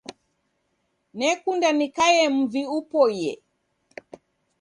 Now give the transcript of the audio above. Nekunda nikaie mvi upoie